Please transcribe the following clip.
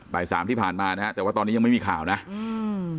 บ่ายสามที่ผ่านมานะฮะแต่ว่าตอนนี้ยังไม่มีข่าวนะอืม